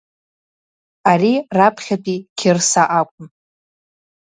Ари раԥхьатәи Қьырса акәын.